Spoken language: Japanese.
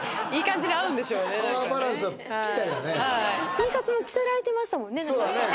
Ｔシャツも着せられてましたもんね。